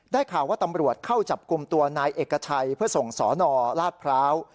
ข่าวว่าตำรวจเข้าจับกลุ่มตัวนายเอกชัยเพื่อส่งสนราชพร้าว